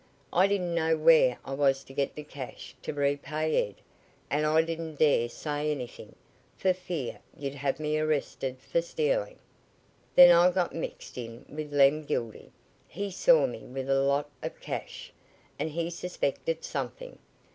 I didn't know where I was to get the cash to repay Ed, and I didn't dare say anything, for fear you'd have me arrested for stealing: "Then I got mixed in with Lem Gildy. He saw me with a lot of cash, and he suspected something.